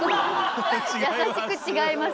優しく「違います」。